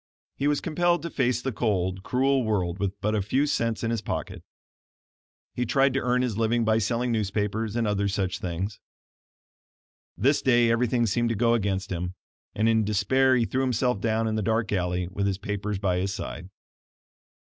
He was compelled to face the cold, cruel world with but a few cents in his pocket. He tried to earn his living by selling newspapers and other such things. This day everything seemed to go against him, and in despair he threw himself down in the dark alley, with his papers by his side.